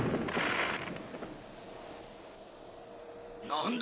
何だ？